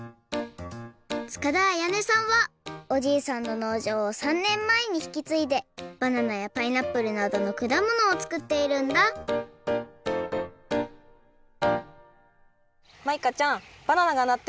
塚田彩音さんはおじいさんののうじょうを３ねんまえにひきついでバナナやパイナップルなどのくだものを作っているんだマイカちゃんバナナがなっているとこ